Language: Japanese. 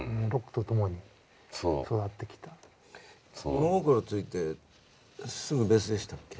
物心付いてすぐベースでしたっけ？